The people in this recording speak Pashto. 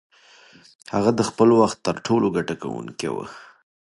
هغه د خپل وخت تر ټولو ګټه کوونکې وه.